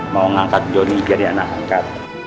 mau ngangkat doni jadi anak angkat